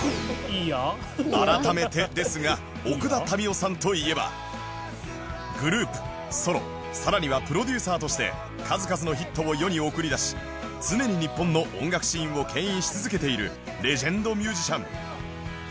改めてですが奥田民生さんといえばグループソロさらにはプロデューサーとして数々のヒットを世に送り出し常に日本の音楽シーンを牽引し続けているレジェンドミュージシャン